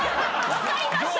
分かりました？